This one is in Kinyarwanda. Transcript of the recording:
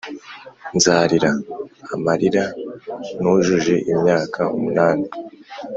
nzarira amarira nujuje imyaka umunani,